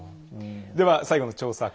では最後の調査項目。